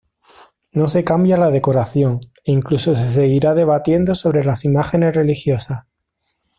No se cambia la decoración, e incluso se seguirá debatiendo sobre las imágenes religiosas.